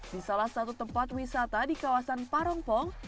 di salah satu tempat wisata di kawasan parongpong